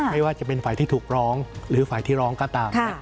ไม่ว่าจะเป็นฝ่ายที่ถูกร้องหรือฝ่ายที่ร้องก็ตาม